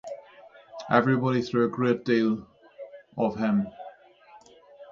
Everybody though a great deal of him.